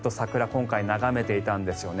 今回眺めていたんですよね。